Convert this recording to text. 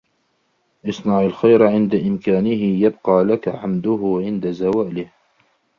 اصْنَعْ الْخَيْرَ عِنْدَ إمْكَانِهِ يَبْقَى لَك حَمْدُهُ عِنْدَ زَوَالِهِ